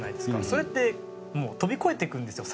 それってもう飛び越えていくんですよ